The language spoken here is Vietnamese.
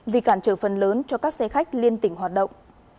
vì cản trở phần lớn cho các xe khách liên tỉnh hoạt động